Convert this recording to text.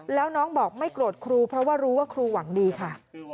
แล้วน้องบอกไม่โกรธครูเพราะว่ารู้ว่าครูหวังดีค่ะ